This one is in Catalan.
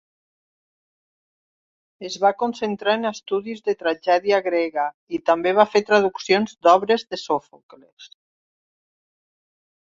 Es va concentrar en estudis de tragèdia grega i també va fer traduccions d'obres de Sòfocles.